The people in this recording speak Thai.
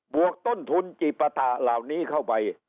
วกต้นทุนจิปะตะเหล่านี้เข้าไป